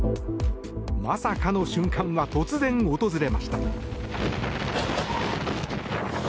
まさかの瞬間は突然訪れました。